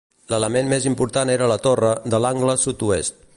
L'element més important era la torre de l'angle sud-oest.